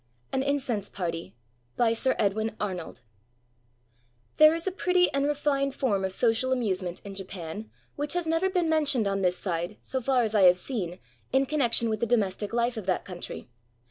AN INCENSE PARTY BY SIR EDWIN ARNOLD There is a pretty and refined form of social amuse ment in Japan which has never been mentioned on this side, so far as I have seen, in connection with the domestic Hfe of that country.